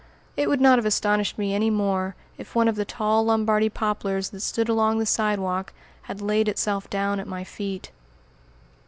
It would not have astonished me any more, if one of the tall Lombardy poplars that stood along the sidewalk had laid itself down at my feet.